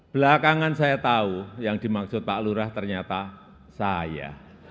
belakangan saya tahu yang dimaksud pak lurah ternyata saya